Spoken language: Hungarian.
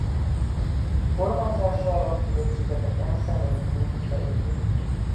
Kormányzása alatt a Fülöp-szigeteken személyi kultusza épült ki.